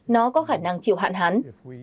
nó có khả năng chịu hạn hán